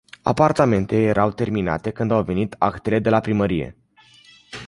Apartamente, erau terminate când au venit actele de la primărie.